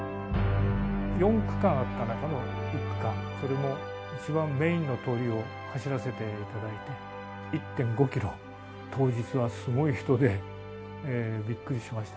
４区間あった中の１区間、それも一番メインの通りを走らせていただいて、１．５キロ、当日はすごい人で、びっくりしました。